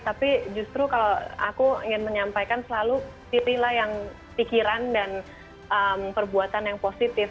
tapi justru kalau aku ingin menyampaikan selalu titilah yang pikiran dan perbuatan yang positif